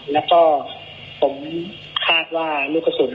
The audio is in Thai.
แล้วก็ผมคาดว่าลูกกระสุน